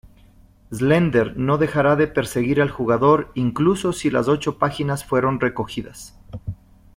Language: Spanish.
Slender no dejará de perseguir al jugador incluso si las ocho páginas fueron recogidas.